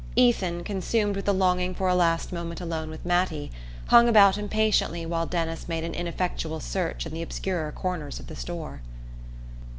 Ethan, consumed with the longing for a last moment alone with Mattie, hung about impatiently while Denis made an ineffectual search in the obscurer corners of the store.